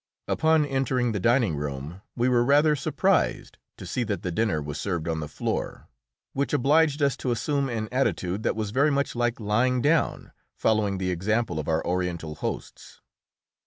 Upon entering the dining room we were rather surprised to see that the dinner was served on the floor, which obliged us to assume an attitude that was very much like lying down, following the example of our Oriental hosts.